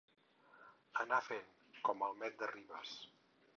Anar fent, com en Met de Ribes.